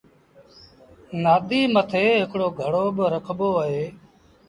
نآديٚ مٿي هڪڙو گھڙو با رکبو اهي۔